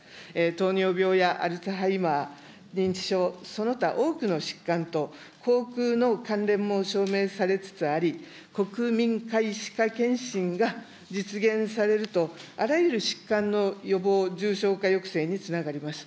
糖尿病やアルツハイマー、認知症、その他多くの疾患と口腔の関連も証明されつつあり、国民皆歯科健診が実現されると、あらゆる疾患の予防、重症化抑制につながります。